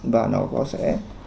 và nó có sẽ